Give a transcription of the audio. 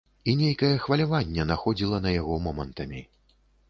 І нейкае хваляванне находзіла на яго момантамі.